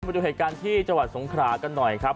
มาดูเหตุการณ์ที่จังหวัดสงขรากันหน่อยครับ